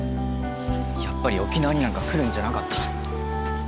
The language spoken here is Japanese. やっぱり沖縄になんか来るんじゃなかった。